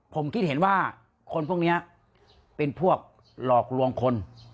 ผมคิดเห็นว่าคนพวกนี้เป็นพวกหลอกลวงคน